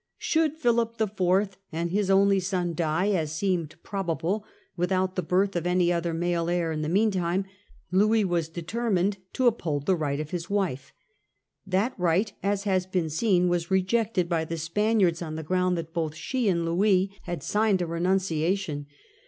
Should Philip IV. and his only son die, as seemed probable, without the birth of any other male heir in the meantime, Louis was determined to up hold the right of his wife. That right, as has been seen, was rejected by the Spaniards on the ground that both she and Louis had signed a renunciation.